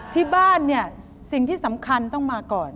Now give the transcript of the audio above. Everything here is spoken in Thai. ที่บ้านเนี่ยสิ่งที่สำคัญต้องมาก่อน